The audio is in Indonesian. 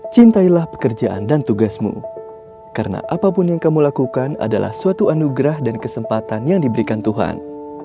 cintailah pekerjaan dan tugasmu karena apapun yang kamu lakukan adalah suatu anugerah dan kesempatan yang diberikan tuhan